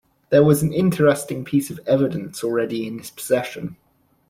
There was an interesting piece of evidence already in his possession.